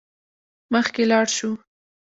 مخکې لاړ شو.